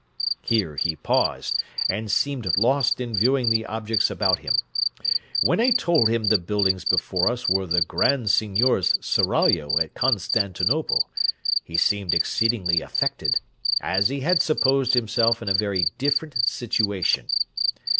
Here he paused, and seemed lost in viewing the objects about him. When I told him the buildings before us were the Grand Seignior's Seraglio at Constantinople, he seemed exceedingly affected, as he had supposed himself in a very different situation.